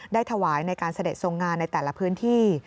ถวายในการเสด็จทรงงานในแต่ละพื้นที่